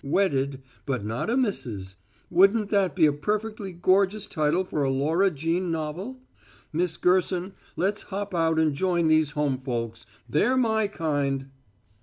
'Wedded, But Not a Missis'; wouldn't that be a perfectly gorgeous title for a Laura Jean novel? Miss Gerson, let's hop out and join these home folks; they're my kind."